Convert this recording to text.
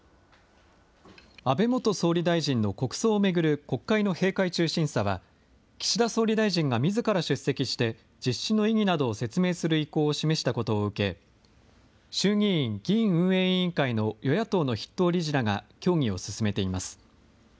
安倍元総理大臣の国葬を巡る国会の閉会中審査は、岸田総理大臣がみずから出席して実施の意義などを説明する意向を示したことを受け、衆議院議院運営委員会の与野党の筆頭理事らが協議を進めています。